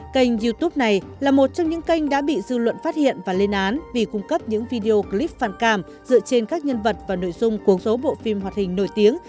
kênh youtube này là một trong những kênh đã bị dư luận phát hiện và lên án vì cung cấp những video clip phản cảm dựa trên các nhân vật và nội dung cuốn số bộ phim hoạt hình nổi tiếng